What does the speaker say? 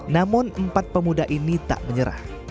namun empat pemuda ini tak menyerah